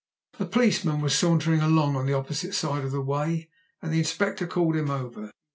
A policeman was sauntering along on the opposite side of the way, and the Inspector called him over.